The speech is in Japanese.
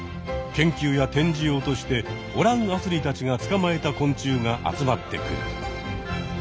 研究や展示用としてオラン・アスリたちがつかまえた昆虫が集まってくる。